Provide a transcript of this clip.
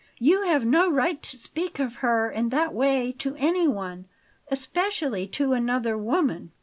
"You have no right to speak of her in that way to anyone especially to another woman!"